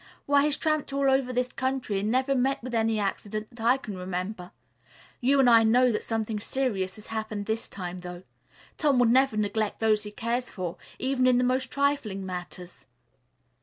Why, he's tramped all over this country and never met with any accident that I can remember. You and I know that something serious has happened this time, though. Tom would never neglect those he cares for, even in the most trifling matters."